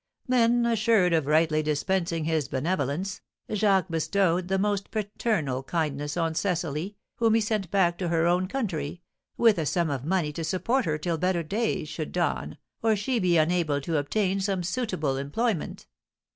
Then, assured of rightly dispensing his benevolence, Jacques bestowed the most paternal kindness on Cecily, whom he sent back to her own country, with a sum of money to support her till better days should dawn, or she be enabled to obtain some suitable employment.